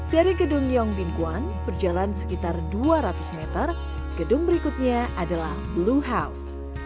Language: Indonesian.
dari gedung yong bin kwan berjalan sekitar dua ratus meter gedung berikutnya adalah blue house